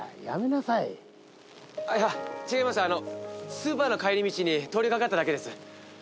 スーパーの帰り道に通り掛かっただけです。